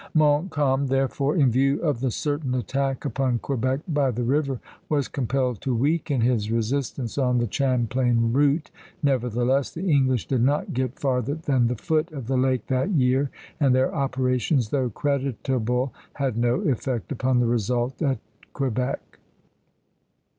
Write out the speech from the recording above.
Montcalm, therefore, in view of the certain attack upon Quebec by the river, was compelled to weaken his resistance on the Champlain route; nevertheless, the English did not get farther than the foot of the lake that year, and their operations, though creditable, had no effect upon the result at Quebec.